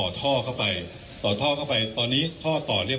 คุณผู้ชมไปฟังผู้ว่ารัฐกาลจังหวัดเชียงรายแถลงตอนนี้ค่ะ